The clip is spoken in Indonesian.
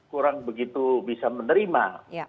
kurang begitu bisa menerima